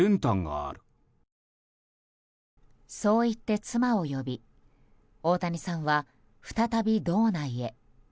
そういって妻を呼び大谷さんは再び堂内へ。